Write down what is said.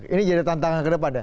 ini jadi tantangan kedepannya